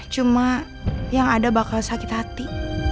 cuma yang ada bakal sakit hati